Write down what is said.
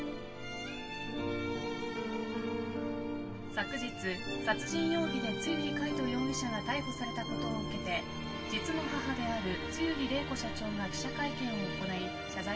昨日殺人容疑で栗花落海斗容疑者が逮捕されたことを受けて実の母である栗花落礼子社長が記者会見を行い謝罪。